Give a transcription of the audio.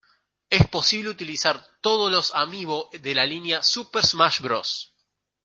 Es posible utilizar todos los amiibo de la línea "Super Smash Bros.